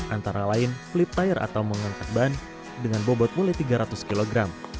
antara lain fliptier atau mengangkat ban dengan bobot mulai tiga ratus kg